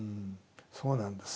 そうなんです。